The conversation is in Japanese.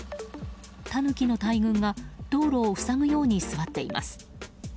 タヌキの大群が道路を塞ぐように座っています。